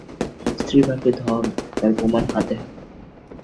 স্ত্রীভাগ্যে ধন, তার প্রমাণ হাতে হাতে।